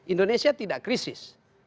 indonesia tidak krisis